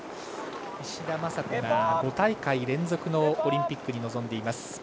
石田正子が５大会連続のオリンピックに臨んでいます。